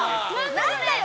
何だよ！